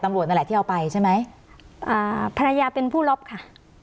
ตำรวจนั่นแหละที่เอาไปใช่ไหมอ่าภรรยาเป็นผู้รับค่ะ